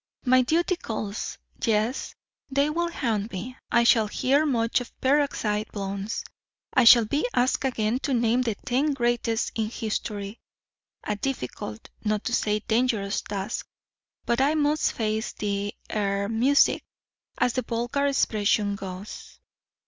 "My duty calls. Yes, they will hound me. I shall hear much of peroxide blondes. I shall be asked again to name the ten greatest in history, a difficult, not to say dangerous task. But I must face the er music, as the vulgar expression goes.